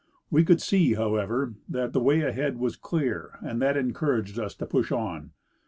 We could see, however, that the way ahead was clear, and that encouraged us to push on.